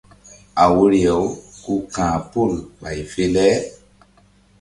A woyri-aw ku ka̧h pol ɓay fe le.